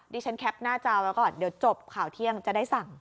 ฉันแคปหน้าจอไว้ก่อนเดี๋ยวจบข่าวเที่ยงจะได้สั่ง